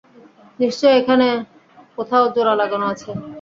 নিশ্চয়ই এখানে কোথাও জোড়া লাগানো আছে।